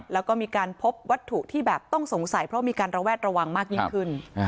แล้วก็มีการพบวัตถุที่แบบต้องสงสัยเพราะมีการระแวดระวังมากยิ่งขึ้น